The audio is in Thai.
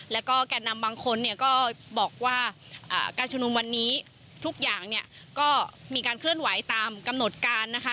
แล้วก็แก่นำบางคนเนี่ยก็บอกว่าการชุมนุมวันนี้ทุกอย่างเนี่ยก็มีการเคลื่อนไหวตามกำหนดการนะคะ